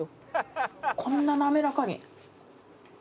こんな滑らかに。